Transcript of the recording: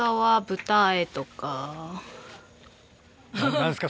何ですか？